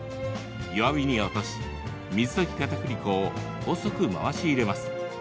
弱火に落とし水溶きかたくり粉を細く回し入れます。